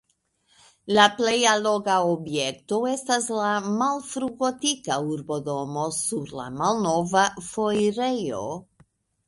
La plej alloga objekto estas la malfrugotika urbodomo sur la Malnova Foirejo.